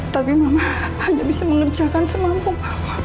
tapi mama hanya bisa mengerjakan semampu